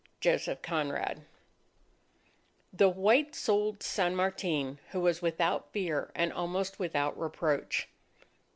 JOSEPH CONRAD _The white souled San Martin who was without fear and almost without reproach.